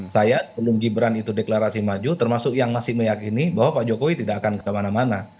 saya sebelum gibran itu deklarasi maju termasuk yang masih meyakini bahwa pak jokowi tidak akan kemana mana